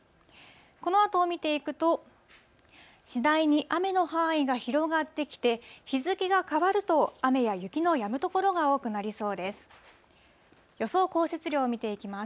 このあとを見ていくと、次第に雨の範囲が広がってきて、日付が変わると、雨や雪のやむ所が多くなりそうです。